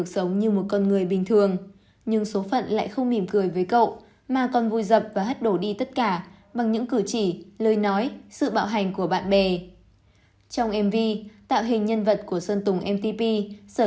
xin chào và hẹn gặp lại trong các bài hát tiếp theo